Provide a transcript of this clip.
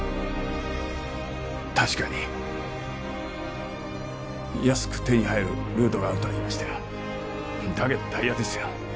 確かに安く手に入るルートがあるとは言いましたよだけどダイヤですよ